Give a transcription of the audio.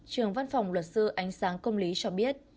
trường văn phòng luật sư ánh sáng công lý cho biết